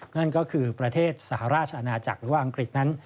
นั่นก็คือประเทศสหราชอาณาจักรหรือว่าอังกฤษนั้น